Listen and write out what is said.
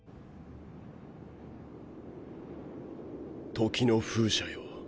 時の風車よ。